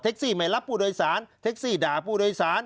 ซี่ไม่รับผู้โดยสารแท็กซี่ด่าผู้โดยสาร